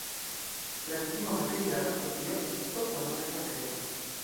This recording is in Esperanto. La kutima materialo por tio estas kotono kaj papero.